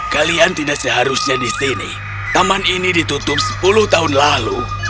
kalian tidak seharusnya di sini taman ini ditutup sepuluh tahun lalu